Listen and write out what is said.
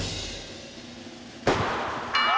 あ！